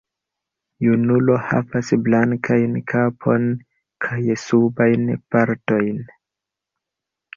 Junulo havas blankajn kapon kaj subajn partojn.